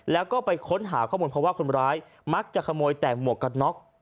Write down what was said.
แล้วก็ไปค้นหาข้อมูลเพราะว่าคนร้ายมักจะขโมยแต่หมวกกันน็อก